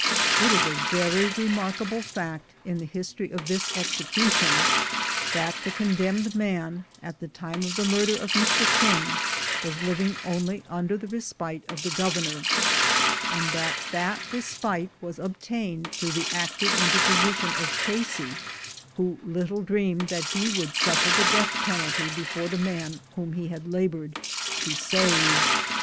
"It is a very remarkable fact in the history of this execution, that the condemned man, at the time of the murder of Mr. King, was living only under the respite of the Governor, and that that respite was obtained through the active interposition of Casey, who little dreamed that he would suffer the death penalty before the man whom he had labored to save.